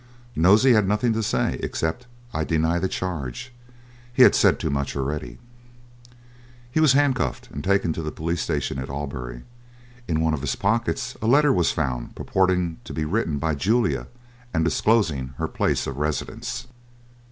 Nosey had nothing to say, except, "I deny the charge"; he had said too much already. He was handcuffed and taken to the police station at Albury. In one of his pockets a letter was found purporting to be written by Julia, and disclosing her place of residence.